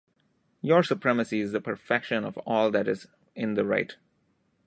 Your supremacy is the perfection of all that is in the right.